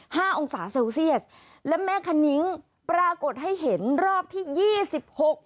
มองศาเซลเซียสและแม่คณิ้งปรากฏให้เห็นรอบที่ยี่สิบหก